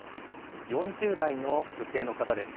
４０代の女性の方です。